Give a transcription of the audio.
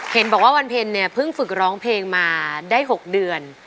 เห็นบอกว่าวันเพลงเนี่ยเพิ่งฝึกร้องเพลงมาได้๖เดือน